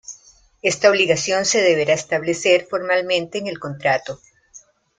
Esta obligación se deberá establecer formalmente en el contrato.